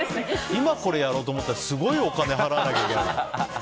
今これをやろうと思ったらすごいお金を払わないと。